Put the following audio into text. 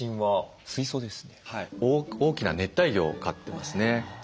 大きな熱帯魚を飼ってますね。